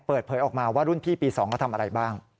เปิดเผยออกมาว่ารุ่นพี่ปี๒ก็ทำอะไรบ้าง